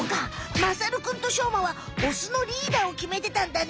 まさるくんとしょうまはオスのリーダーをきめてたんだね。